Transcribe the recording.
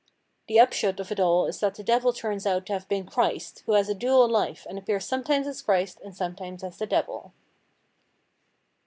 The upshot of it all is that the Devil turns out to have been Christ who has a dual life and appears sometimes as Christ and sometimes as the Devil.